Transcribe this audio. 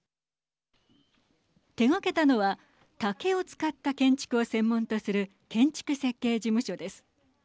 手がけたのは竹を使った建築を専門とする建築設計事務所です。